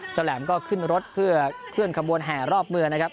แหลมก็ขึ้นรถเพื่อเคลื่อนขบวนแห่รอบเมืองนะครับ